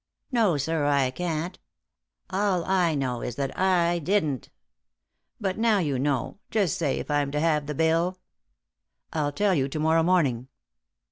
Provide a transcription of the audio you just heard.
"No, sir, I can't. All I know is that I didn't. But now you know, just say if I'm to have the bill!" "I'll tell you to morrow morning."